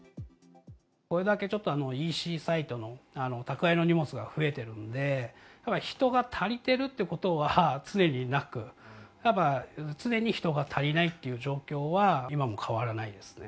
これだけちょっとＥＣサイトの宅配の荷物が増えているので、やっぱ人が足りてるってことは常になく、やっぱ常に人が足りないっていう状況は、今も変わらないですね。